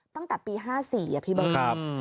ตั้งแต่ปี๕๔อ่ะพี่บอก